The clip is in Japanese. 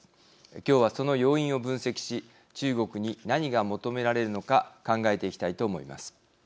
今日はその要因を分析し中国に何が求められるのか考えていきたいと思います。